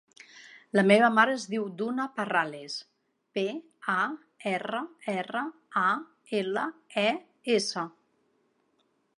La meva mare es diu Duna Parrales: pe, a, erra, erra, a, ela, e, essa.